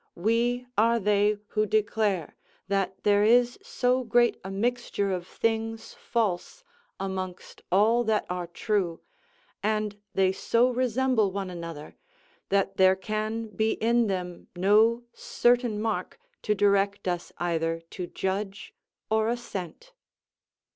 We are they who declare that there is so great a mixture of things false amongst all that are true, and they so resemble one another, that there can be in them no certain mark to direct us either to judge or assent."